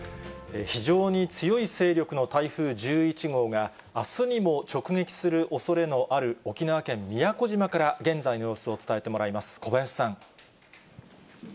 非常に強い勢力の台風１１号が、あすにも直撃するおそれのある沖縄県宮古島から、現在の様子を伝えてもらいます。